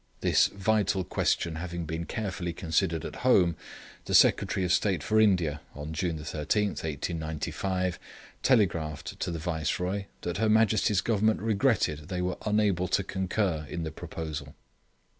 This vital question having been carefully considered at home, the Secretary of State for India, on June 13, 1895, telegraphed to the Viceroy that her Majesty's Government regretted they were unable to concur in the proposal.